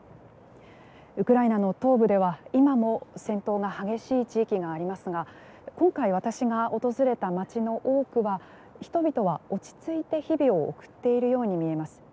ウクライナの東部では今も戦闘が激しい地域がありますが今回私が訪れた街の多くは人々は落ち着いて日々を送っているように見えます。